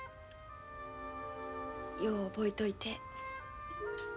よう覚えといて。